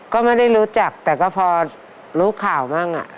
ก็ไม่ได้รู้จักแต่ก็พอรู้ข่าวบ้าง